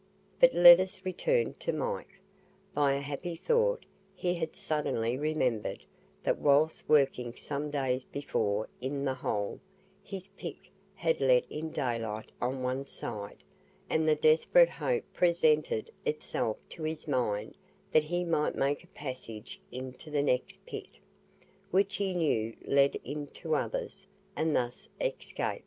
But let us return to Mike. By a happy thought, he had suddenly remembered that whilst working some days before in the hole, his pick had let in daylight on one side, and the desperate hope presented itself to his mind that he might make a passage into the next pit, which he knew led into others, and thus escape.